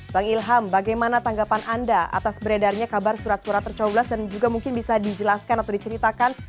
bang ilham bagaimana tanggapan anda atas beredarnya kabar surat surat tercoblos dan juga mungkin bisa dijelaskan atau diceritakan